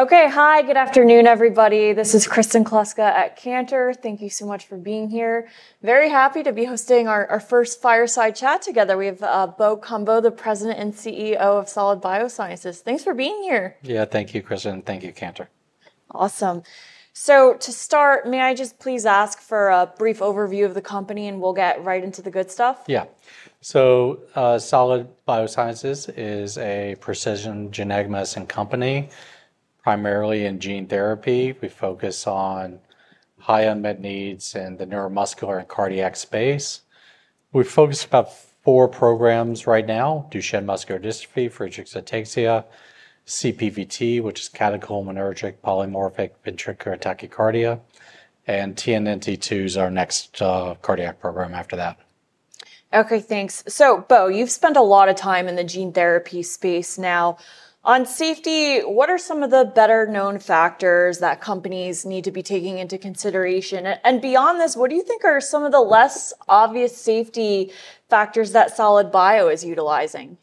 Okay, hi, good afternoon, everybody. This is Kristin Kloska at Cantor. Thank you so much for being here. Very happy to be hosting our first fireside chat together. We have Bo Cumbo, the President and CEO of Solid Biosciences. Thanks for being here. Yeah, thank you, Kristen. Thank you, Cantor. Awesome. To start, may I just please ask for a brief overview of the company, and we'll get right into the good stuff? Yeah, so Solid Biosciences is a precision genetic medicine company, primarily in gene therapy. We focus on high unmet needs in the neuromuscular and cardiac space. We focus on four programs right now: Duchenne muscular dystrophy, Fragile Cachexia, CPVT, which is Catecholaminergic Polymorphic Ventricular Tachycardia, and TNNT2 is our next cardiac program after that. Okay, thanks. Bo, you've spent a lot of time in the gene therapy space. Now, on safety, what are some of the better known factors that companies need to be taking into consideration? Beyond this, what do you think are some of the less obvious safety factors that Solid Bio is utilizing?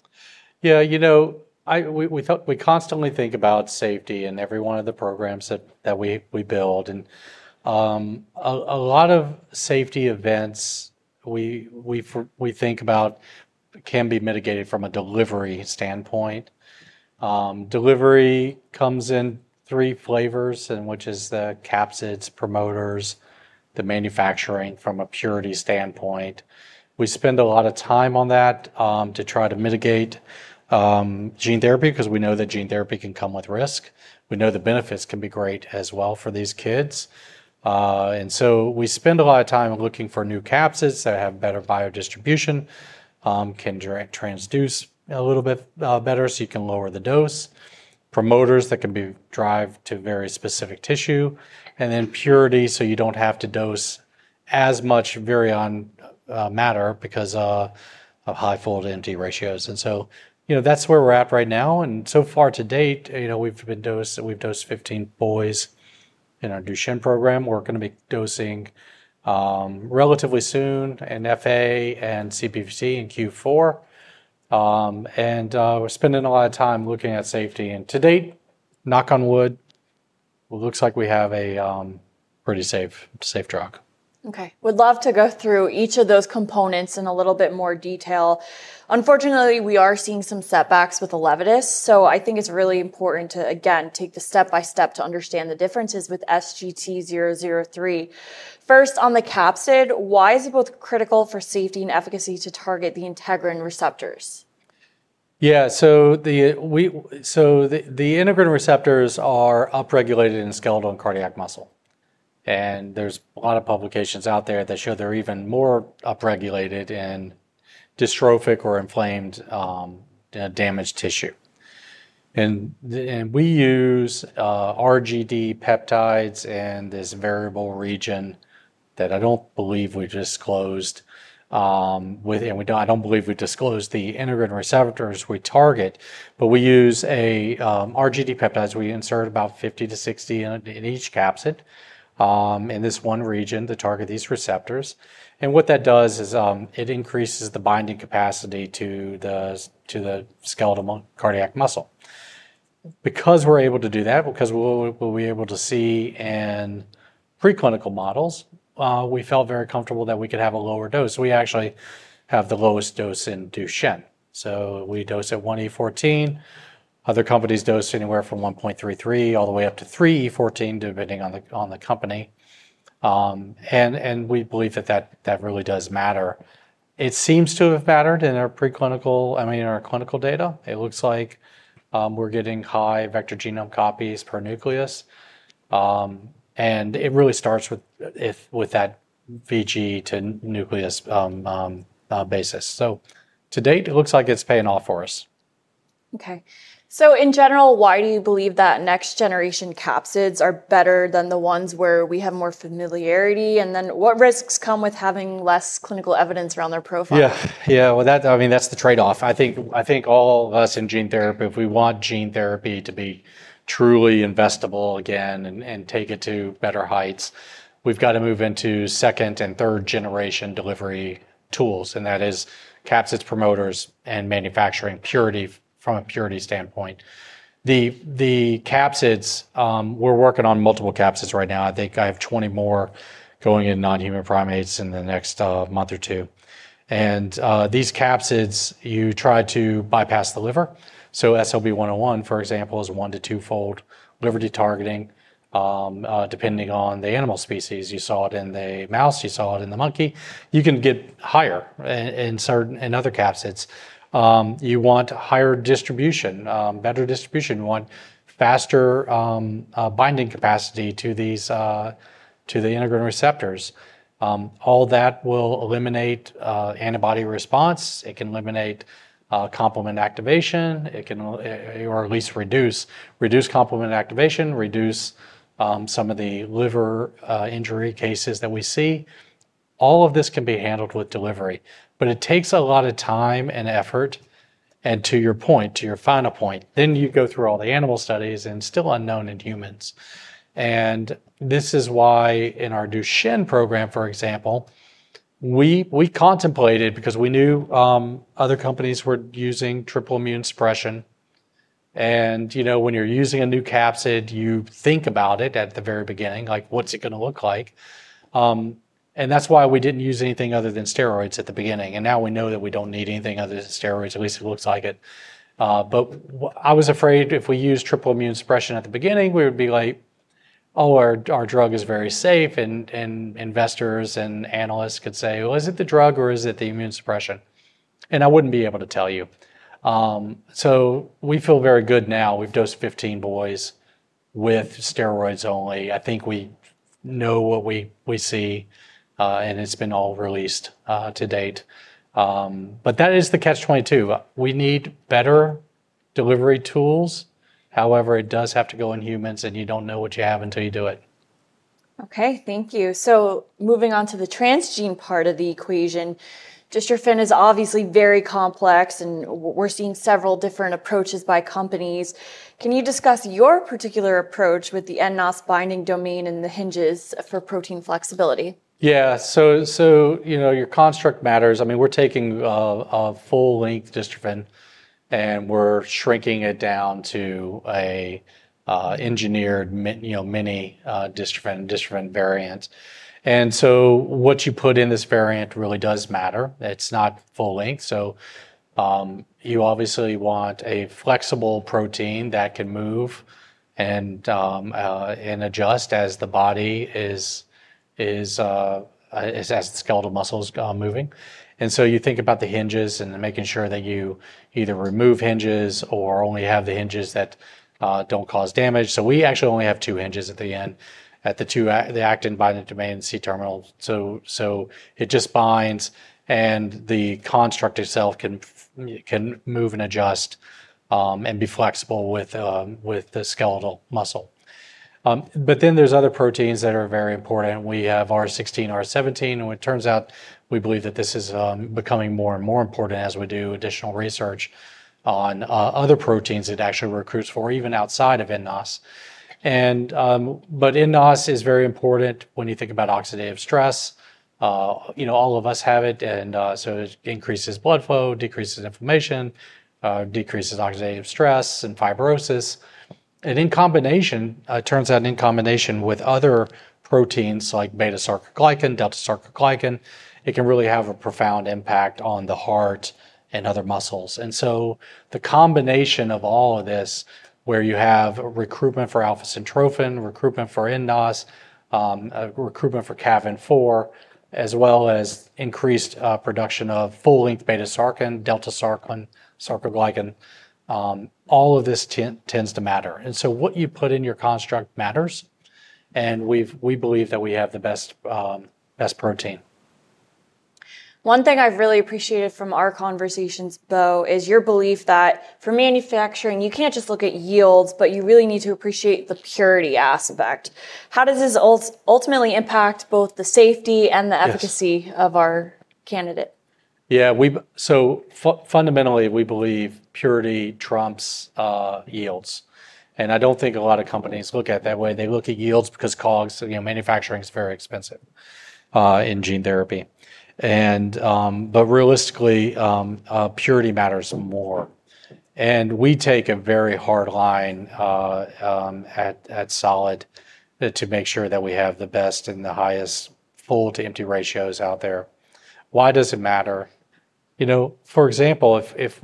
Yeah, you know, we constantly think about safety in every one of the programs that we build. A lot of safety events we think about can be mitigated from a delivery standpoint. Delivery comes in three flavors, which is the capsids, promoters, the manufacturing from a purity standpoint. We spend a lot of time on that to try to mitigate gene therapy because we know that gene therapy can come with risk. We know the benefits can be great as well for these kids. We spend a lot of time looking for new capsids that have better biodistribution, can transduce a little bit better so you can lower the dose, promoters that can drive to very specific tissue, and then purity so you don't have to dose as much virion matter because of high full-to-empty capsid ratios. That's where we're at right now. So far to date, we've dosed 15 boys in our Duchenne program. We're going to be dosing relatively soon NFA and CPVT in Q4. We're spending a lot of time looking at safety. To date, knock on wood, it looks like we have a pretty safe drug. Okay, would love to go through each of those components in a little bit more detail. Unfortunately, we are seeing some setbacks with the Levitus. I think it's really important to, again, take the step by step to understand the differences with SGT-003. First, on the capsid, why is it both critical for safety and efficacy to target the integrin receptors? Yeah, so the integrin receptors are upregulated in skeletal and cardiac muscle. There's a lot of publications out there that show they're even more upregulated in dystrophic or inflamed, damaged tissue. We use RGD peptides in this variable region that I don't believe we disclosed. I don't believe we disclose the integrin receptors we target, but we use RGD peptides. We insert about 50- 60 in each capsid in this one region to target these receptors. What that does is it increases the binding capacity to the skeletal cardiac muscle. Because we're able to do that, because we'll be able to see in preclinical models, we felt very comfortable that we could have a lower dose. We actually have the lowest dose in Duchenne. We dose at 1E14. Other companies dose anywhere from 1.33E14 all the way up to 3E14, depending on the company. We believe that that really does matter. It seems to have mattered in our preclinical, I mean, in our clinical data. It looks like we're getting high vector genome copies per nucleus. It really starts with that VG to nucleus basis. To date, it looks like it's paying off for us. Okay, in general, why do you believe that next generation capsids are better than the ones where we have more familiarity? What risks come with having less clinical evidence around their profile? Yeah, yeah, that is the trade-off. I think all of us in gene therapy, if we want gene therapy to be truly investable again and take it to better heights, we've got to move into second and third generation delivery tools. That is capsids, promoters, and manufacturing purity from a purity standpoint. The capsids, we're working on multiple capsids right now. I think I have 20 more going into non-human primates in the next month or two. These capsids, you try to bypass the liver. SGT-101, for example, is 1-2x liver de-targeting. Depending on the animal species, you saw it in the mouse, you saw it in the monkey, you can get higher in certain and other capsids. You want higher distribution, better distribution. You want faster binding capacity to the integrin receptors. All that will eliminate antibody response. It can eliminate complement activation. It can, or at least reduce complement activation, reduce some of the liver injury cases that we see. All of this can be handled with delivery. It takes a lot of time and effort. To your point, to your final point, you go through all the animal studies and still unknown in humans. This is why in our Duchenne program, for example, we contemplated because we knew other companies were using triple immunosuppression. When you're using a new capsid, you think about it at the very beginning, like what's it going to look like? That's why we didn't use anything other than steroids at the beginning. Now we know that we don't need anything other than steroids, at least it looks like it. I was afraid if we use triple immunosuppression at the beginning, we would be like, oh, our drug is very safe. Investors and analysts could say, is it the drug or is it the immunosuppression? I wouldn't be able to tell you. We feel very good now. We've dosed 15 boys with steroids only. I think we know what we see. It's been all released to date. That is the catch-22. We need better delivery tools. However, it does have to go in humans and you don't know what you have until you do it. Okay, thank you. Moving on to the transgene part of the equation, dystrophin is obviously very complex and we're seeing several different approaches by companies. Can you discuss your particular approach with the NNOS binding domain and the hinges for protein flexibility? Yeah, so you know your construct matters. I mean, we're taking a full-length dystrophin and we're shrinking it down to an engineered, you know, mini dystrophin variant. What you put in this variant really does matter. It's not full-length. You obviously want a flexible protein that can move and adjust as the body is, as the skeletal muscles are moving. You think about the hinges and making sure that you either remove hinges or only have the hinges that don't cause damage. We actually only have two hinges at the end, at the two actin binding domain C terminal. It just binds and the construct itself can move and adjust and be flexible with the skeletal muscle. There are other proteins that are very important. We have R16, R17, and it turns out we believe that this is becoming more and more important as we do additional research on other proteins that actually recruit for even outside of NNOS. NNOS is very important when you think about oxidative stress. You know, all of us have it and it increases blood flow, decreases inflammation, decreases oxidative stress and fibrosis. In combination, it turns out in combination with other proteins like beta sarcoglycan, delta sarcoglycan, it can really have a profound impact on the heart and other muscles. The combination of all of this, where you have recruitment for alpha syntrophin, recruitment for NNOS, recruitment for CAVIN4, as well as increased production of full-length beta sarcoglycan, delta sarcoglycan, all of this tends to matter. What you put in your construct matters. We believe that we have the best protein. One thing I've really appreciated from our conversations, Bo, is your belief that for manufacturing, you can't just look at yields, but you really need to appreciate the purity aspect. How does this ultimately impact both the safety and the efficacy of our candidate? Yeah, so fundamentally, we believe purity trumps yields. I don't think a lot of companies look at it that way. They look at yields because COGS, you know, manufacturing is very expensive in gene therapy. Realistically, purity matters more. We take a very hard line at Solid to make sure that we have the best and the highest full-to-empty ratios out there. Why does it matter? For example, if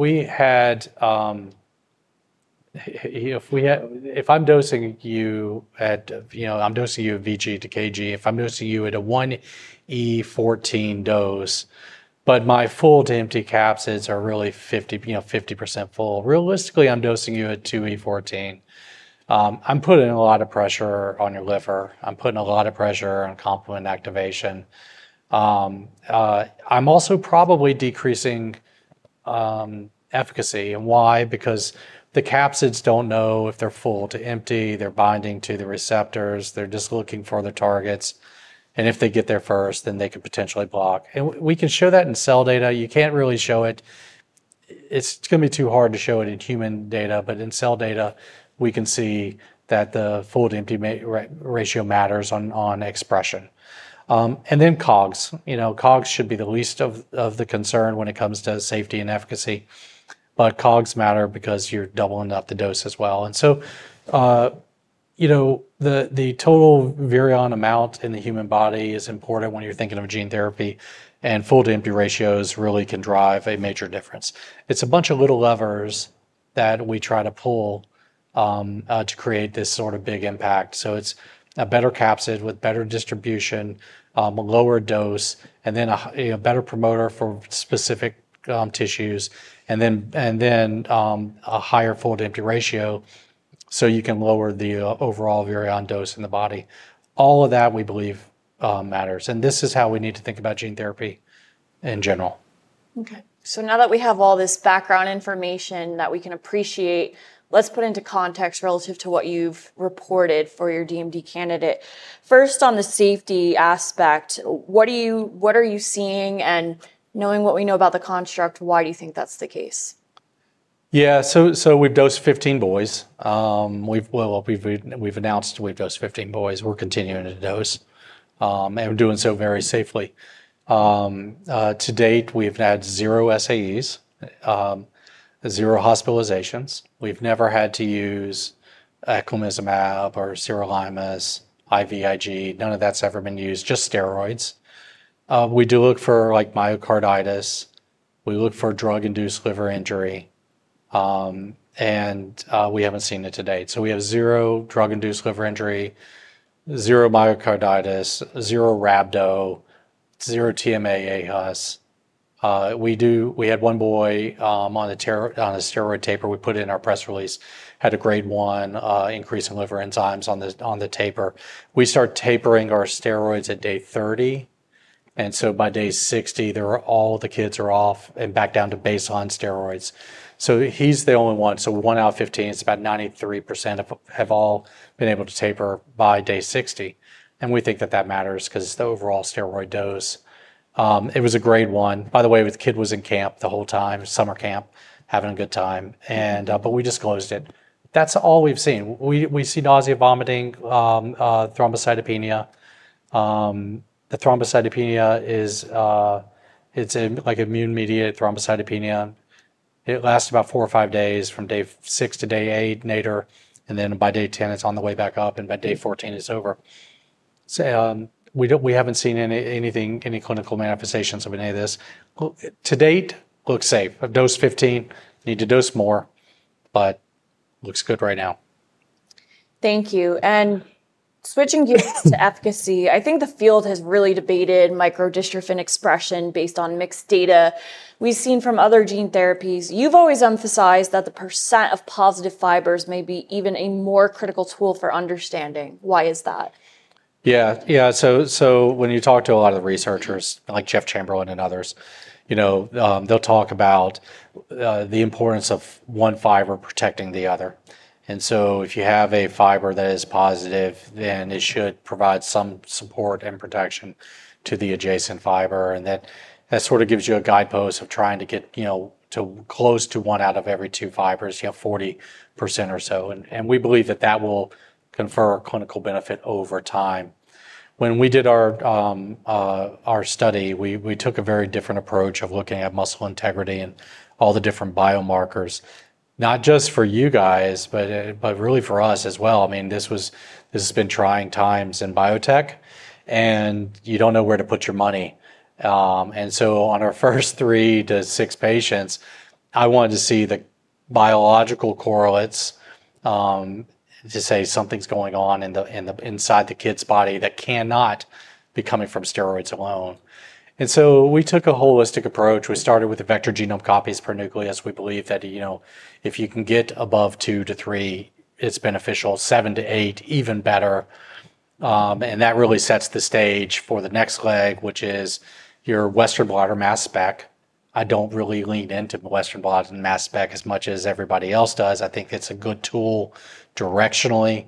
I'm dosing you at VG- KG, if I'm dosing you at a 1E14 dose, but my full-to-empty capsids are really 50% full, realistically, I'm dosing you at 2E14. I'm putting a lot of pressure on your liver. I'm putting a lot of pressure on complement activation. I'm also probably decreasing efficacy. Why? Because the capsids don't know if they're full or empty. They're binding to the receptors. They're just looking for the targets. If they get there first, then they can potentially block. We can show that in cell data. You can't really show it, it's going to be too hard to show it in human data, but in cell data, we can see that the full-to-empty ratio matters on expression. COGS should be the least of the concern when it comes to safety and efficacy. COGS matter because you're doubling up the dose as well. The total virion amount in the human body is important when you're thinking of gene therapy. Full-to-empty ratios really can drive a major difference. It's a bunch of little levers that we try to pull to create this sort of big impact. It's a better capsid with better distribution, a lower dose, and then a better promoter for specific tissues, and then a higher full-to-empty ratio so you can lower the overall virion dose in the body. All of that, we believe, matters. This is how we need to think about gene therapy in general. Okay, now that we have all this background information that we can appreciate, let's put it into context relative to what you've reported for your DMD candidate. First, on the safety aspect, what are you seeing? Knowing what we know about the construct, why do you think that's the case? Yeah, so we've dosed 15 boys. We've announced we've dosed 15 boys. We're continuing to dose, and we're doing so very safely. To date, we've had zero SAEs, zero hospitalizations. We've never had to use eculizumab or sirolimus, IVIG. None of that's ever been used, just steroids. We do look for myocarditis. We look for drug-induced liver injury, and we haven't seen it to date. We have zero drug-induced liver injury, zero myocarditis, zero rhabdo, zero TMA, AHAS. We had one boy on a steroid taper. We put in our press release, had a grade one increase in liver enzymes on the taper. We start tapering our steroids at day 30, and by day 60, all the kids are off and back down to baseline steroids. He's the only one. One out of 15, it's about 93% have all been able to taper by day 60. We think that matters because it's the overall steroid dose. It was a grade one. By the way, the kid was in camp the whole time, summer camp, having a good time. We disclosed it. That's all we've seen. We see nausea, vomiting, thrombocytopenia. The thrombocytopenia is immune-mediated thrombocytopenia. It lasts about four or five days from day six to day eight nadir, and by day 10, it's on the way back up. By day 14, it's over. We haven't seen any clinical manifestations of any of this. To date, it looks safe. I've dosed 15. Need to dose more, but it looks good right now. Thank you. Switching gears to efficacy, I think the field has really debated microdystrophin expression based on mixed data we've seen from other gene therapies. You've always emphasized that the % of positive fibers may be even a more critical tool for understanding. Why is that? Yeah, yeah. When you talk to a lot of the researchers, like Jeff Chamberlain and others, they'll talk about the importance of one fiber protecting the other. If you have a fiber that is positive, then it should provide some support and protection to the adjacent fiber. That gives you a guidepost of trying to get to close to one out of every two fibers, you have 40% or so. We believe that will confer clinical benefit over time. When we did our study, we took a very different approach of looking at muscle integrity and all the different biomarkers, not just for you guys, but really for us as well. This has been trying times in biotech, and you don't know where to put your money. On our first three to six patients, I wanted to see the biological correlates to say something's going on inside the kid's body that cannot be coming from steroids alone. We took a holistic approach. We started with the vector genome copies per nucleus. We believe that if you can get above 2-3, it's beneficial. 7-8, even better. That really sets the stage for the next leg, which is your Western blot or mass spec. I don't really lean into the Western blot and mass spec as much as everybody else does. I think it's a good tool directionally.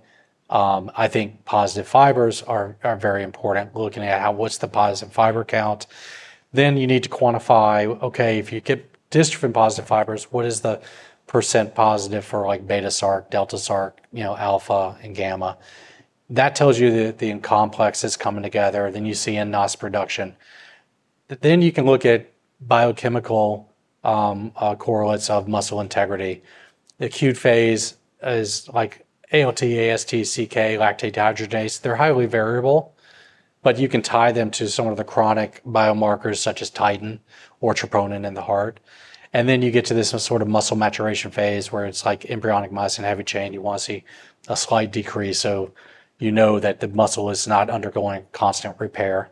I think positive fibers are very important, looking at what's the positive fiber count. Then you need to quantify, okay, if you get dystrophin positive fibers, what is the percent positive for like beta sarc, delta sarc, alpha and gamma? That tells you that the complex is coming together. Then you see NNOS production. You can look at biochemical correlates of muscle integrity. The acute phase is like ALT, AST, CK, lactate dehydrogenase. They're highly variable, but you can tie them to some of the chronic biomarkers such as TITAN or troponin in the heart. You get to this sort of muscle maturation phase where it's like embryonic mice and heavy chain. You want to see a slight decrease, so you know that the muscle is not undergoing constant repair.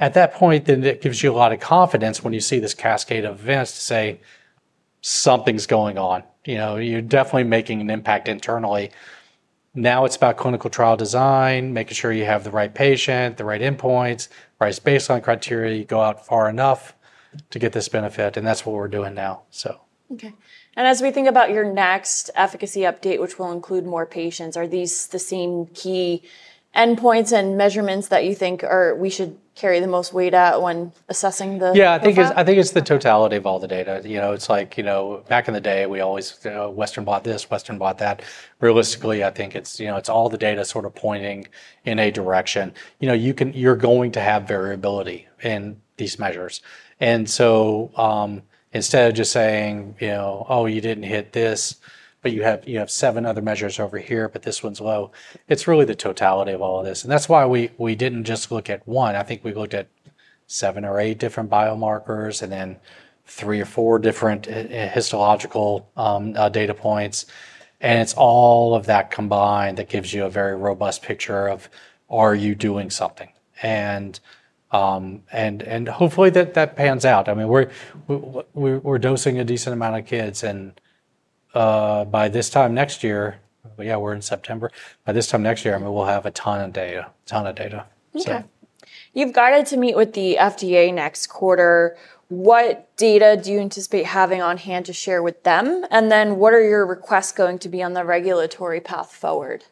At that point, it gives you a lot of confidence when you see this cascade of events to say something's going on. You're definitely making an impact internally. Now it's about clinical trial design, making sure you have the right patient, the right endpoints, the right baseline criteria. You go out far enough to get this benefit, and that's what we're doing now. Okay. As we think about your next efficacy update, which will include more patients, are these the same key endpoints and measurements that you think we should carry the most weight at when assessing the? Yeah, I think it's the totality of all the data. You know, back in the day, we always, you know, Western blot this, Western blot that. Realistically, I think it's all the data sort of pointing in a direction. You know, you are going to have variability in these measures. Instead of just saying, you know, oh, you didn't hit this, but you have seven other measures over here, but this one's low, it's really the totality of all of this. That's why we didn't just look at one. I think we looked at seven or eight different biomarkers and then three or four different histological data points. It's all of that combined that gives you a very robust picture of are you doing something, and hopefully that pans out. I mean, we're dosing a decent amount of kids, and by this time next year, yeah, we're in September. By this time next year, I mean, we'll have a ton of data, a ton of data. Okay. You've got to meet with the FDA next quarter. What data do you anticipate having on hand to share with them? What are your requests going to be on the regulatory path forward?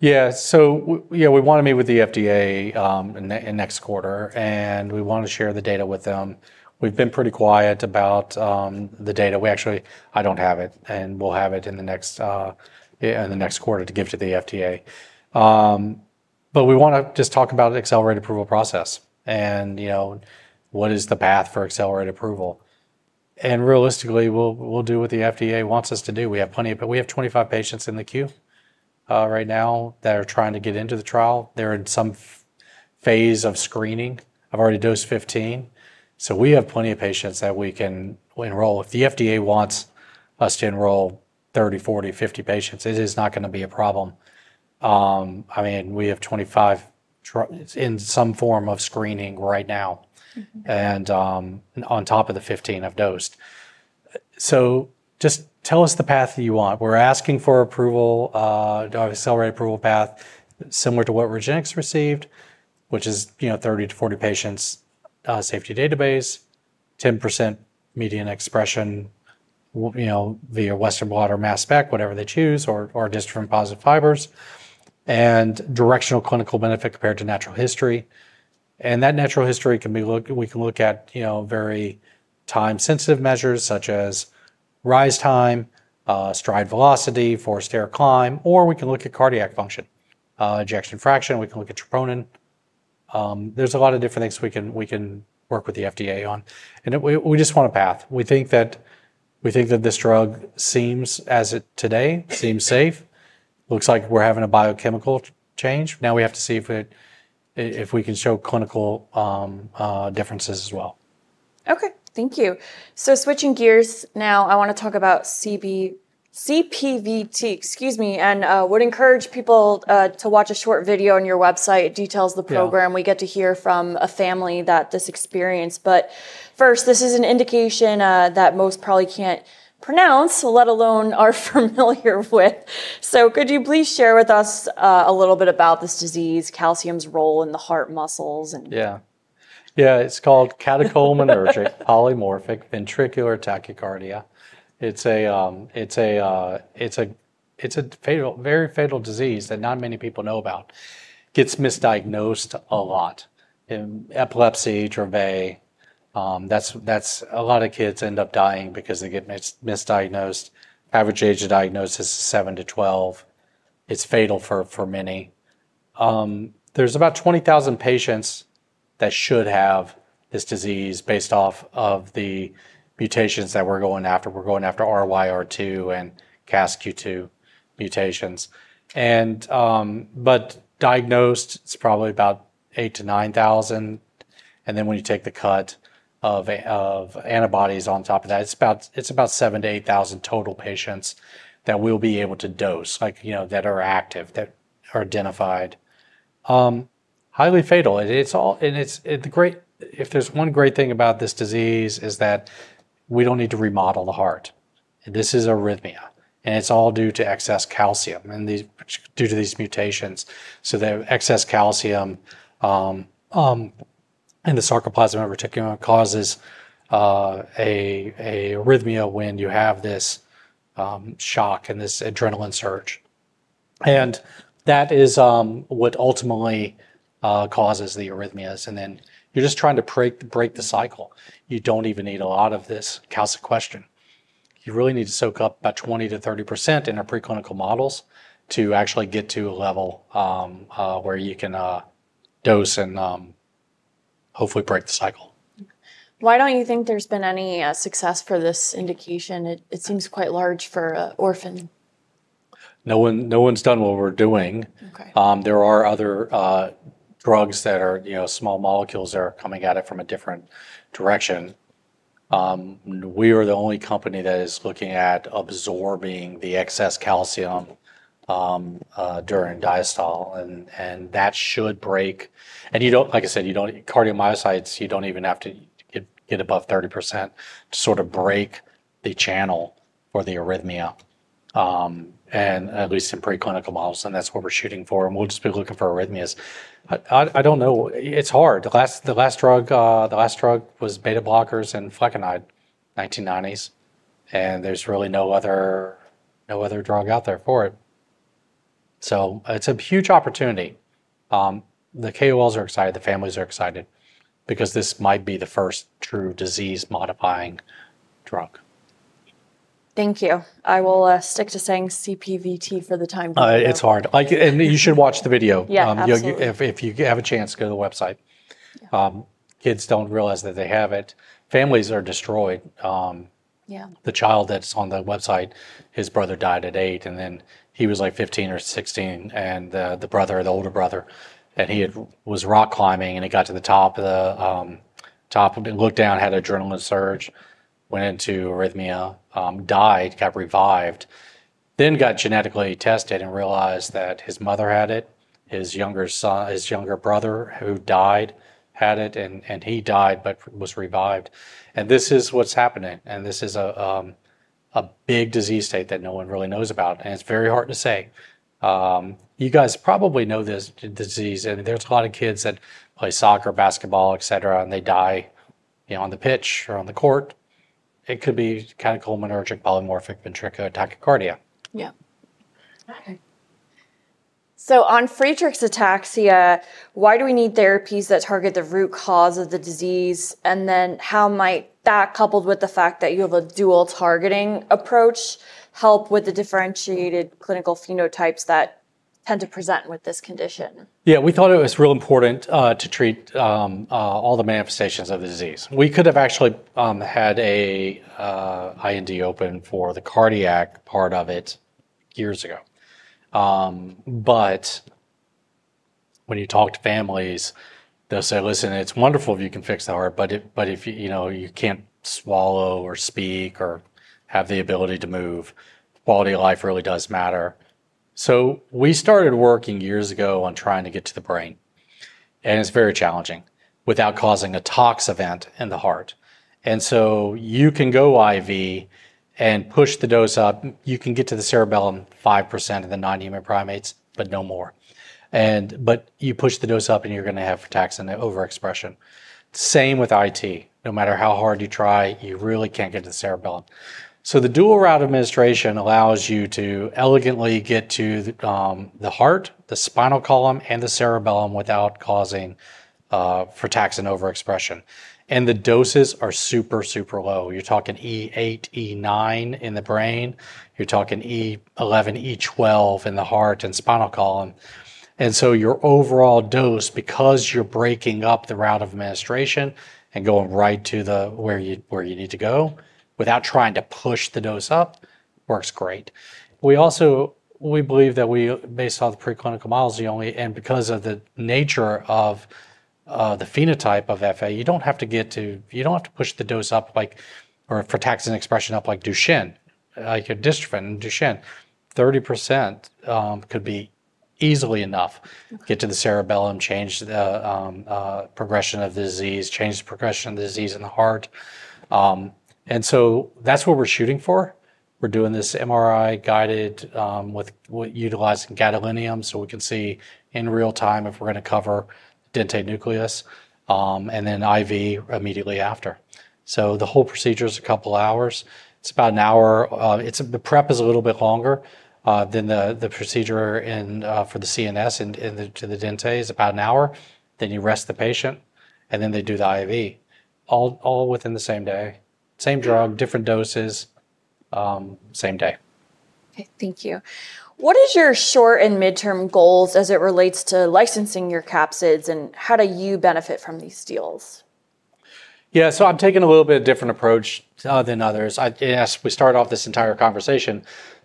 Yeah, we want to meet with the FDA in next quarter, and we want to share the data with them. We've been pretty quiet about the data. I actually don't have it, and we'll have it in the next quarter to give to the FDA. We want to just talk about the accelerated approval process and, you know, what is the path for accelerated approval? Realistically, we'll do what the FDA wants us to do. We have plenty of, we have 25 patients in the queue right now that are trying to get into the trial. They're in some phase of screening. I've already dosed 15. We have plenty of patients that we can enroll. If the FDA wants us to enroll 30, 40, 50 patients, it is not going to be a problem. We have 25 in some form of screening right now, and on top of the 15 I've dosed. Just tell us the path that you want. We're asking for approval, accelerated approval path, similar to what RegenXx received, which is, you know, 30- 40 patients safety database, 10% median expression, you know, via Western blot or mass spec, whatever they choose, or dystrophin positive fibers, and directional clinical benefit compared to natural history. That natural history can be, we can look at, you know, very time-sensitive measures such as rise time, stride velocity, forced air climb, or we can look at cardiac function, ejection fraction. We can look at troponin. There's a lot of different things we can work with the FDA on. We just want a path. We think that this drug seems, as it today seems safe, looks like we're having a biochemical change. Now we have to see if we can show clinical differences as well. Okay, thank you. Switching gears now, I want to talk about CPVT, excuse me, and would encourage people to watch a short video on your website. It details the program. We get to hear from a family that has experienced this. First, this is an indication that most probably can't pronounce, let alone are familiar with. Could you please share with us a little bit about this disease, calcium's role in the heart muscles? Yeah, yeah, it's called Catecholaminergic Polymorphic Ventricular Tachycardia. It's a very fatal disease that not many people know about. It gets misdiagnosed a lot. In epilepsy, HIV, a lot of kids end up dying because they get misdiagnosed. Average age of diagnosis is 7-12. It's fatal for many. There's about 20,000 patients that should have this disease based off of the mutations that we're going after. We're going after RYR2 and CASQ2 mutations. Diagnosed, it's probably about 8,000- 9,000. When you take the cut of antibodies on top of that, it's about 7,000- 8,000 total patients that we'll be able to dose, like, you know, that are active, that are identified. Highly fatal. If there's one great thing about this disease, it's that we don't need to remodel the heart. This is arrhythmia, and it's all due to excess calcium and due to these mutations. The excess calcium in the sarcoplasmic reticulum causes an arrhythmia when you have this shock and this adrenaline surge. That is what ultimately causes the arrhythmias. You're just trying to break the cycle. You don't even need a lot of this calcium question. You really need to soak up about 20%- 30% in our preclinical models to actually get to a level where you can dose and hopefully break the cycle. Why don't you think there's been any success for this indication? It seems quite large for orphan. No one's done what we're doing. There are other drugs that are, you know, small molecules that are coming at it from a different direction. We are the only company that is looking at absorbing the excess calcium during diastole. That should break. You don't, like I said, you don't, cardiomyocytes, you don't even have to get above 30% to sort of break the channel or the arrhythmia, at least in preclinical models. That's what we're shooting for. We'll just be looking for arrhythmias. I don't know. It's hard. The last drug was beta blockers and flecainide, 1990s. There's really no other drug out there for it. It's a huge opportunity. The KOLs are excited. The families are excited because this might be the first true disease-modifying drug. Thank you. I will stick to saying CPVT for the time being. It's hard. You should watch the video. If you have a chance, go to the website. Kids don't realize that they have it. Families are destroyed. The child that's on the website, his brother died at eight. He was like 15 or 16, the older brother, and he was rock climbing. He got to the top of it, looked down, had an adrenaline surge, went into arrhythmia, died, got revived, then got genetically tested and realized that his mother had it, his younger brother who died had it, and he died but was revived. This is what's happening. This is a big disease state that no one really knows about. It's very hard to say. You guys probably know this disease. There are a lot of kids that play soccer, basketball, etc., and they die on the pitch or on the court. It could be Catecholaminergic Polymorphic Ventricular Tachycardia. Yeah. Okay. On Friedreich’s ataxia, why do we need therapies that target the root cause of the disease? How might that, coupled with the fact that you have a dual targeting approach, help with the differentiated clinical phenotypes that tend to present with this condition? Yeah, we thought it was real important to treat all the manifestations of the disease. We could have actually had an IND open for the cardiac part of it years ago. When you talk to families, they'll say, "Listen, it's wonderful if you can fix the heart, but if you can't swallow or speak or have the ability to move, quality of life really does matter." We started working years ago on trying to get to the brain. It's very challenging without causing a tox event in the heart. You can go IV and push the dose up. You can get to the cerebellum, 5% of the non-human primates, but no more. You push the dose up and you're going to have frataxin overexpression. Same with IT. No matter how hard you try, you really can't get to the cerebellum. The dual route administration allows you to elegantly get to the heart, the spinal column, and the cerebellum without causing frataxin overexpression. The doses are super, super low. You're talking E8, E9 in the brain. You're talking E11, E12 in the heart and spinal column. Your overall dose, because you're breaking up the route of administration and going right to where you need to go without trying to push the dose up, works great. We also believe that we, based on the preclinical models, the only, and because of the nature of the phenotype of FA, you don't have to get to, you don't have to push the dose up like, or frataxin expression up like Duchenne, like a dystrophin in Duchenne, 30% could be easily enough. Get to the cerebellum, change the progression of the disease, change the progression of the disease in the heart. That's what we're shooting for. We're doing this MRI guided with utilizing gadolinium so we can see in real time if we're going to cover dentate nucleus and then IV immediately after. The whole procedure is a couple hours. It's about an hour. The prep is a little bit longer than the procedure for the CNS and to the dentate is about an hour. You rest the patient and then they do the IV. All within the same day. Same drug, different doses, same day. Okay, thank you. What is your short and midterm goals as it relates to licensing your capsids, and how do you benefit from these deals Yeah, so I'm taking a little bit different approach than others. Yes, we started off this entire conversation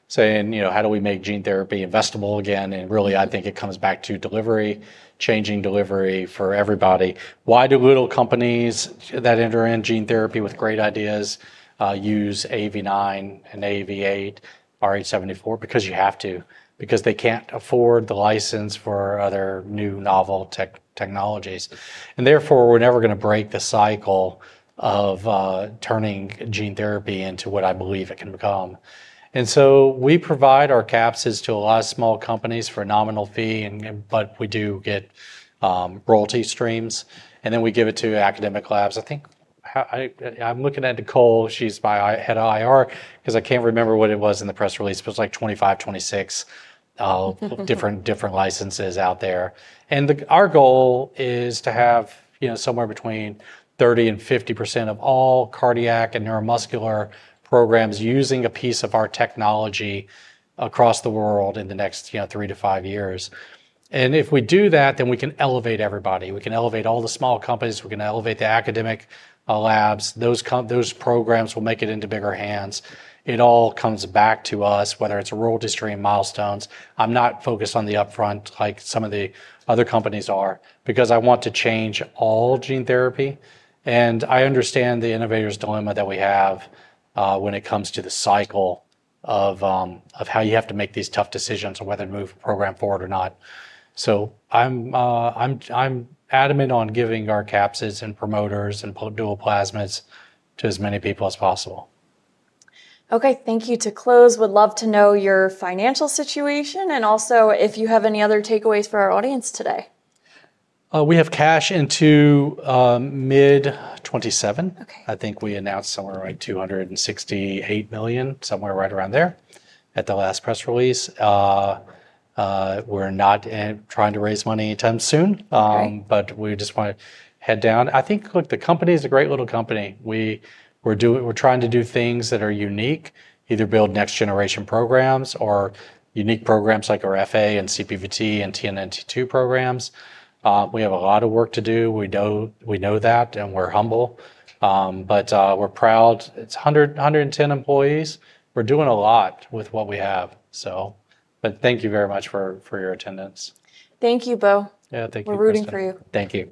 saying, you know, how do we make gene therapy investable again? I think it comes back to delivery, changing delivery for everybody. Why do little companies that enter in gene therapy with great ideas use AAV9 and AAV8, RH74? Because you have to. They can't afford the license for other new novel technologies. Therefore, we're never going to break the cycle of turning gene therapy into what I believe it can become. We provide our capsids to a lot of small companies for a nominal fee, but we do get royalty streams. We give it to academic labs. I think I'm looking at Nicole; she's my Head of IR because I can't remember what it was in the press release. It was like 25, 26 different licenses out there. Our goal is to have somewhere between 30% and 50% of all cardiac and neuromuscular programs using a piece of our technology across the world in the next three to five years. If we do that, then we can elevate everybody. We can elevate all the small companies. We're going to elevate the academic labs. Those programs will make it into bigger hands. It all comes back to us, whether it's a royalty stream, milestones. I'm not focused on the upfront like some of the other companies are because I want to change all gene therapy. I understand the innovator's dilemma that we have when it comes to the cycle of how you have to make these tough decisions on whether to move a program forward or not. I'm adamant on giving our capsids and promoters and dual plasmids to as many people as possible. Okay, thank you. To close, we'd love to know your financial situation and also if you have any other takeaways for our audience today. We have cash into mid-2027. I think we announced somewhere right around $268 million, somewhere right around there at the last press release. We're not trying to raise money anytime soon, but we just want to head down. I think the company is a great little company. We're trying to do things that are unique, either build next-generation programs or unique programs like our FA and CPVT and TNNT2 programs. We have a lot of work to do. We know that and we're humble, but we're proud. It's 110 employees. We're doing a lot with what we have. Thank you very much for your attendance. Thank you, Bo. Yeah, thank you. We're rooting for you. Thank you.